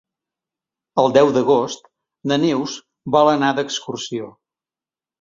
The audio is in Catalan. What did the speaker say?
El deu d'agost na Neus vol anar d'excursió.